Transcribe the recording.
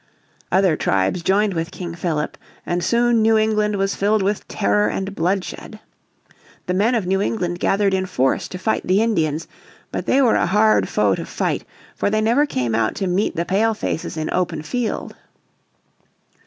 Other tribes joined with King Philip, and soon New England was filled with terror and bloodshed. The men of New England gathered in force to fight the Indians. But they were a hard foe to fight, for they never came out to meet the Pale faces in open field.